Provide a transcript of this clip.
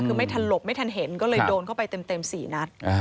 คือไม่ทันหลบไม่ทันเห็นก็เลยโดนเข้าไปเต็ม๔นัด